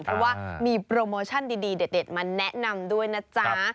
เพราะว่ามีโปรโมชั่นดีเด็ดมาแนะนำด้วยนะจ๊ะ